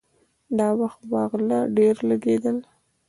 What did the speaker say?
دا وخت به غله ډېر لګېدل.